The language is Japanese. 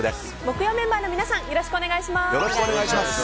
木曜メンバーの皆さんよろしくお願いします。